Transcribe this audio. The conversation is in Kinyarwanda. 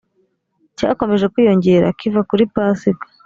cyakomeje kwiyongera kiva kuri pasika